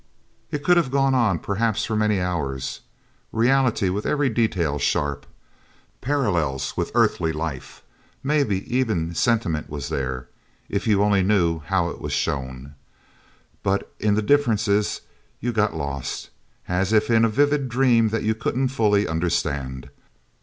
It could have gone on, perhaps for many hours. Reality, with every detail sharp. Parallels with Earthly life. Maybe even sentiment was there, if you only knew how it was shown. But in the differences you got lost, as if in a vivid dream that you couldn't fully understand.